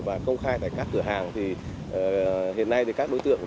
và công khai tại các cửa hàng thì hiện nay thì các đối tượng